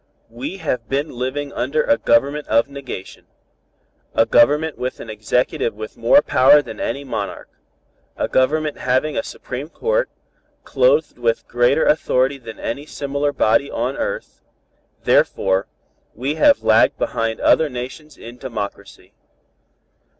'_ We have been living under a Government of negation, a Government with an executive with more power than any monarch, a Government having a Supreme Court, clothed with greater authority than any similar body on earth; therefore, we have lagged behind other nations in democracy.